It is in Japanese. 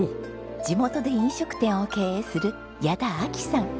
地元で飲食店を経営する矢田明貴さん。